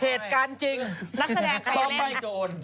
เหตุการณ์จริงต้องไปโจรนักแสดงใครเล่นอ่ะ